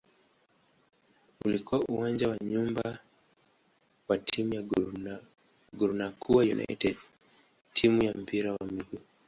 Ulikuwa uwanja wa nyumbani wa timu ya "Garankuwa United" timu ya mpira wa miguu.